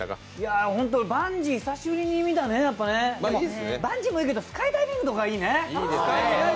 バンジー、久しぶりに見たねバンジーもいいけどスカイダイビングとかいいね。